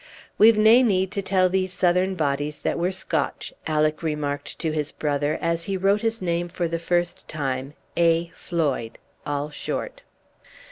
"We've nae need to tell these Southeran bodies that we're Scotche," Alick remarked to his brother as he wrote his name for the first time A. Floyd, all short.